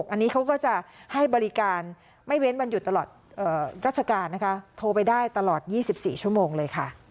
อันนี้เขาก็จะให้บริการไม่เว้นวันหยุดตลอดราชการนะคะโทรไปได้ตลอด๒๔ชั่วโมงเลยค่ะ